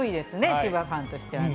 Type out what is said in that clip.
千葉ファンとしてはね。